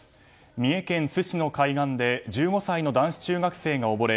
三重県津市の海岸で１５歳の男子中学生が溺れ